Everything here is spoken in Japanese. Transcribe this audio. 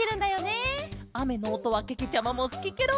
あめのおとはけけちゃまもすきケロ。